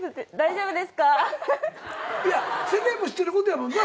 世間も知ってることやもんな。